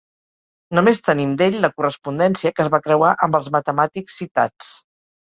Només tenim d'ell la correspondència que es va creuar amb els matemàtics citats.